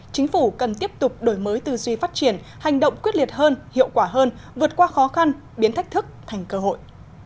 chính phủ cần tiếp tục đổi mới tư duy phát triển hành động quyết liệt hơn hiệu quả hơn vượt qua khó khăn biến thách thức thành cơ hội